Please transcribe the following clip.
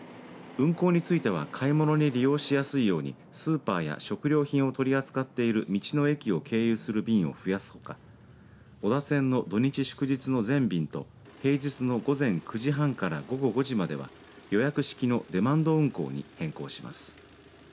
運行については買い物に利用しやすいようにスーパーや食料品を取り扱っている道の駅を経由する便を増やすほか小田線の土日祝日の全便と平日の午前９時半から午後５時までは予約式のデマンド運行に変更します。